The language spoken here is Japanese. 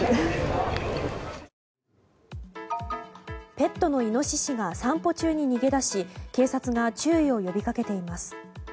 ペットのイノシシが散歩中に逃げ出し警察が注意を呼びかけています。